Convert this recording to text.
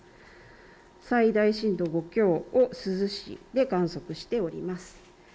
最大震度５強を珠洲市で観測しております。